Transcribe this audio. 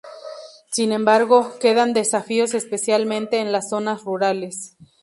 Sin embargo, quedan desafíos, especialmente en las zonas rurales.